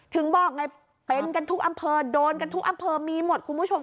ถึงบอกไงเป็นกันทุกอำเภอโดนกันทุกอำเภอมีหมดคุณผู้ชม